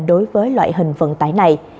đối với loại hình vận tải này